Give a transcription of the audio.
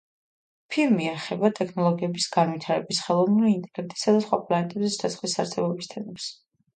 ფილმი ეხება ტექნოლოგიების განვითარების, ხელოვნური ინტელექტისა და სხვა პლანეტებზე სიცოცხლის არსებობის თემებს.